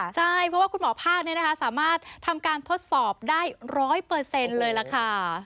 เพราะว่าคุณหมอภาคสามารถทำการทดสอบได้ร้อยเปอร์เซ็นต์เลยล่ะค่ะ